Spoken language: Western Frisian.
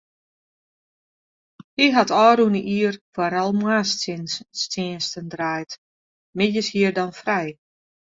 Hy hat ôfrûne jier foaral moarnstsjinsten draaid, middeis hie er dan frij.